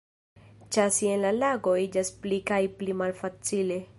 Ĉasi en la lago iĝas pli kaj pli malfacile.